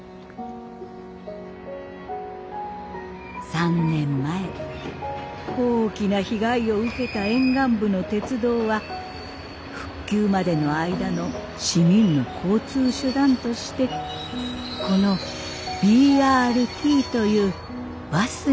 ３年前大きな被害を受けた沿岸部の鉄道は復旧までの間の市民の交通手段としてこのＢＲＴというバスによる代替運行を開始しました。